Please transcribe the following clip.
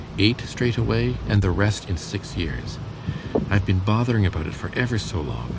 Eight straight away, and the rest in six years. I've been bothering about it for ever so long.